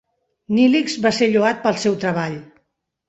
Neelix va ser lloat pel seu treball.